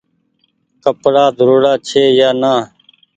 ڪپڙآ ڌوڙاڙا ڇي يا نآ